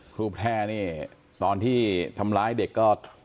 ครูแพร่นี่ตอนที่ทำร้ายเด็กก็